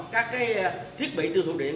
các thiết bị tư thuộc điện